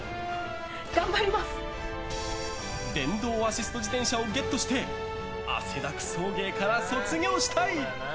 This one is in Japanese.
電動アシスト自転車をゲットして汗だく送迎から卒業したい！